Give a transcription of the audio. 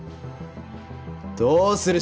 どうする？